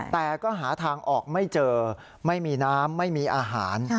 แต่ก็หาทางออกไม่เจอไม่มีน้ำไม่มีอาหาร